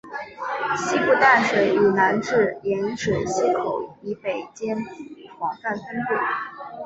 西部淡水以南至盐水溪口以北间广泛分布。